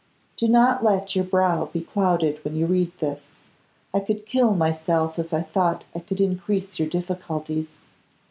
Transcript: Do not let your brow be clouded when you read this. I could kill myself if I thought I could increase your difficulties.